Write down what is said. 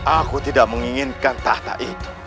aku tidak menginginkan tahta itu